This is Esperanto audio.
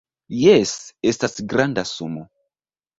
Jes, estas granda sumo